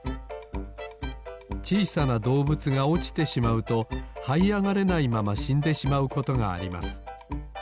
ちいさなどうぶつがおちてしまうとはいあがれないまましんでしまうことがあります。